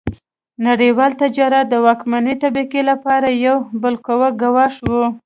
نړیوال تجارت د واکمنې طبقې لپاره یو بالقوه ګواښ و.